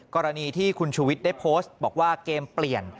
กรณีที่คุณชูวิทย์ได้โพสต์บอกว่าเกมเปลี่ยน